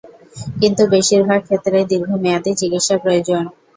কিন্তু বেশির ভাগ ক্ষেত্রেই দীর্ঘমেয়াদি চিকিৎসা প্রয়োজন।